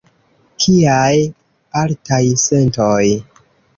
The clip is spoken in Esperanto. Kiaj altaj sentoj!